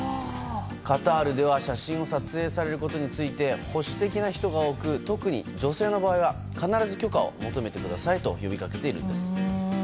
カタールでは写真を撮影されることについて保守的な人が多く特に女性の場合は必ず許可を求めてくださいと呼びかけているんです。